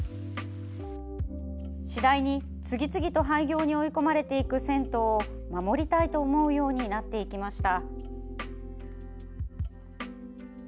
次第に、次々と廃業に追い込まれていく銭湯を守りたいと思うようになっていきました。